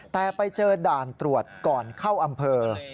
แต่ไปเจอด่านตรวจก่อนเข้าอำเภอ